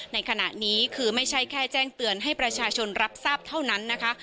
ในขณะนี้คือไม่ใช่แค่แจ้งเตือนให้ประชาชนรับทราบเท่านั้นนะคะ